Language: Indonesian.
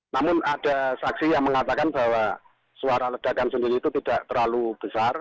namun ada saksi yang mengatakan bahwa suara ledakan sendiri itu tidak terlalu besar